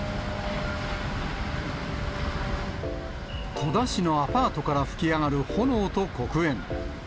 戸田市のアパートから噴き上がる炎と黒煙。